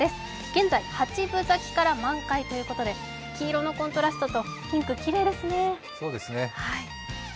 現在八分咲きから満開ということで黄色のコントラストとピンクきれいですね。